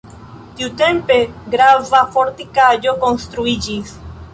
Tiutempe grava fortikaĵo konstruiĝis.